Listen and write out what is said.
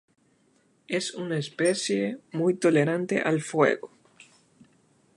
Es una especie muy tolerante al fuego.